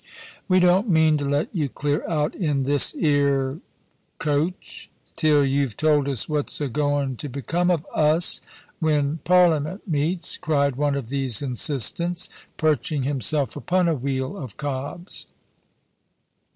* We don't mean to let you clear out in this 'ere coach till you've told us what's agoin to become of us when Parliament meets,' cried one of these insistents, perching himself upon a wheel of^Cobb's.